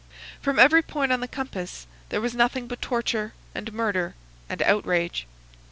From every point on the compass there was nothing but torture and murder and outrage.